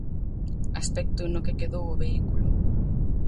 Aspecto no que quedou o vehículo.